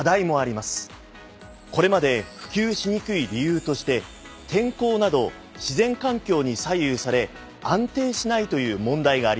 これまで普及しにくい理由として天候など自然環境に左右され安定しないという問題がありました。